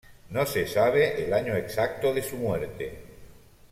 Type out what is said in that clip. No se sabe el año exacto de su muerte.